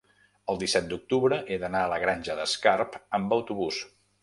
el disset d'octubre he d'anar a la Granja d'Escarp amb autobús.